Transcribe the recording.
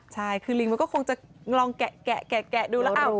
ใช่คือลิงมันก็คงจะลองแกะดูแล้ว